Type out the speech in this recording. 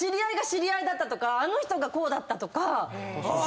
あの人がこうだったとか。